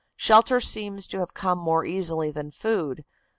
Shelter seems to have come more easily than food.